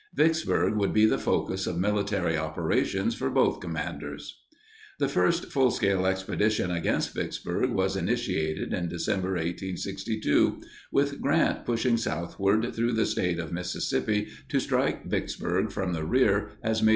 Vicksburg would be the focus of military operations for both commanders. The first full scale expedition against Vicksburg was initiated in December 1862, with Grant pushing southward through the State of Mississippi to strike Vicksburg from the rear as Maj.